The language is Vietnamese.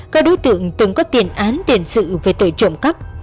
các đối tượng từng có tiền án tiền sự về tội trộm cắp